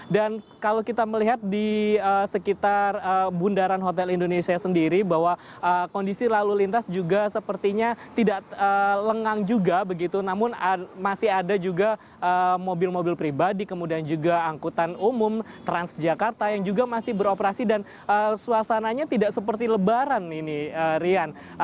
dan kalau kita melihat di sekitar bundaran hotel indonesia sendiri bahwa kondisi lalu lintas juga sepertinya tidak lengang juga begitu namun masih ada juga mobil mobil pribadi kemudian juga angkutan umum transjakarta yang juga masih beroperasi dan suasananya tidak seperti lebaran ini rian